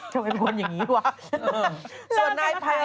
ทำไมคนอย่างนี้หรือว่ะ